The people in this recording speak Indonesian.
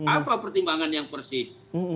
apa pertimbangan yang persis